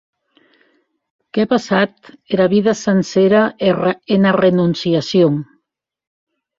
Qu’è passat era vida sancera ena renonciacion!